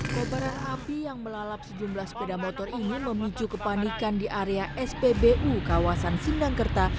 kobaran api yang melalap sejumlah sepeda motor ini memicu kepanikan di area spbu kawasan sindangkerta